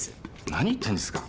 何言ってんですか。